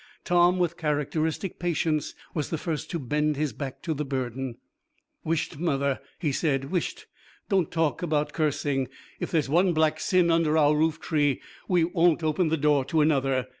Tom, with characteristic patience, was the first to bend his back to the burden. 'Whisht, mother,' he said, 'whisht. Don't talk about cursing. If there's one black sin under our roof tree, we won't open the door to another.'